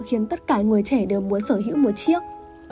khiến tất cả người trẻ đều muốn sở hữu một chiếc